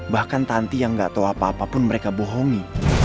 bahkan tanti yang gak tahu apa apa pun mereka bohongi